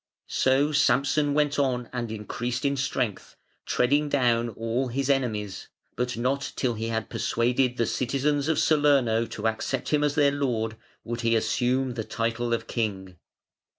So Samson went on and increased in strength, treading down all his enemies; but not till he had persuaded the citizens of Salerno to accept him as their lord would he assume the title of king.